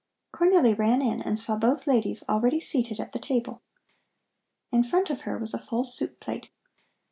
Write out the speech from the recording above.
Cornelli ran in and saw both ladies already seated at the table. In front of her was a full soup plate.